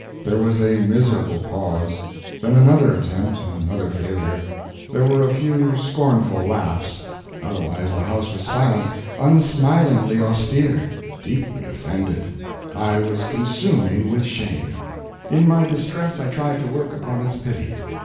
There was a miserable pause, then another attempt, and another failure. There were a few scornful laughs; otherwise the house was silent, unsmilingly austere, deeply offended. I was consuming with shame. In my distress I tried to work upon its pity.